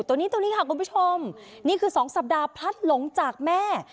ตรงนี้ค่ะคุณผู้ชมนี่คือ๒สัปดาห์พลัดหลงจากแม่